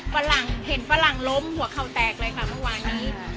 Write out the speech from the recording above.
ฝรั่งเห็นฝรั่งล้มหัวเข่าแตกเลยค่ะเมื่อวานนี้